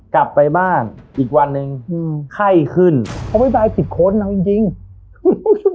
กลับไปบ้านอีกวันหนึ่งอืมไข้ขึ้นโอ้ยตายสิบคนเอาจริงจริง